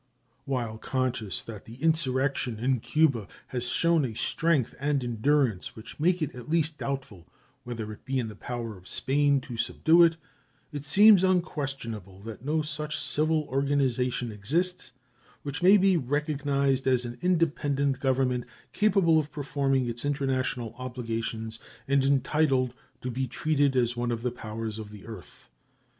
While conscious that the insurrection in Cuba has shown a strength and endurance which make it at least doubtful whether it be in the power of Spain to subdue it, it seems unquestionable that no such civil organization exists which may be recognized as an independent government capable of performing its international obligations and entitled to be treated as one of the powers of the earth.